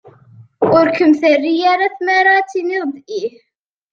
Ur kem-terra ara tmara ad tiniḍ ih.